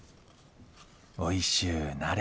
おいしゅうなれ。